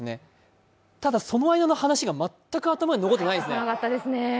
ただ、その間の話が全く頭に残ってない。